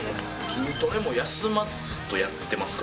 筋トレも休まずずっとやってますか？